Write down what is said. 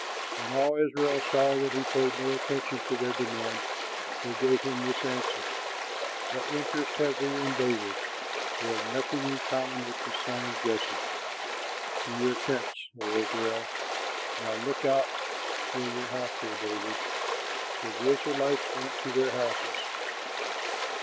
When all Israel saw that he paid no attention to their demand they gave him this answer: "What interest have we in David? We have nothing in common with the son of Jesse! To your tents, O Israel! Now look out for your house, O David!" So the Israelites went to their homes.